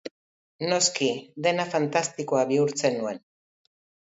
Noski, dena fantastikoa bihurtzen nuen!